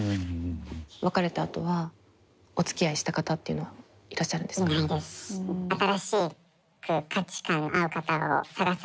別れたあとはおつきあいした方っていうのはいらっしゃるんですか？